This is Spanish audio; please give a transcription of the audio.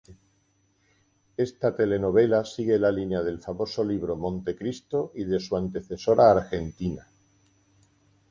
Esta telenovela sigue la línea del famoso libro "Montecristo" y de su antecesora argentina.